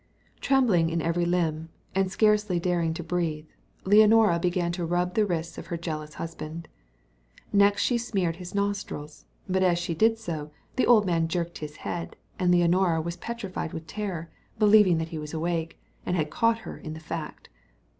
Trembling in every limb, and scarcely daring to breathe, Leonora began to rub the wrists of her jealous husband. Next she smeared his nostrils; but as she did so, the old man jerked his head, and Leonora was petrified with terror, believing that he was awake, and had caught her in the fact.